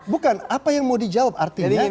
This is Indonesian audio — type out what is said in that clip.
bukan apa yang mau dijawab artinya